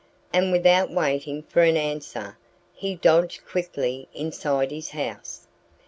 And without waiting for an answer he dodged quickly inside his house.